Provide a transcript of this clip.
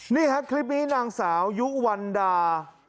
นี่ครับคลิปนี้นางสาวยุวันดา